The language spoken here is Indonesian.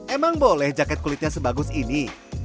emang boleh jaket kulitnya sebagus ini